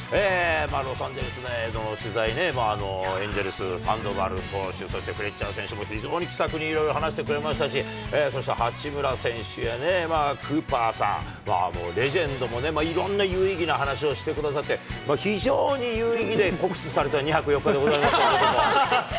ロサンゼルスの取材ね、エンゼルス、サンドバル投手、そしてフレッチャー選手も非常に気さくにいろいろ話してくれましたし、そして八村選手やね、クーパーさん、もうレジェンドもね、いろんな有意義な話をしてくださって、非常に有意義で酷使された２泊４日でございましたけれども。